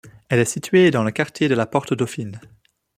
Elle est située dans le quartier de la Porte-Dauphine.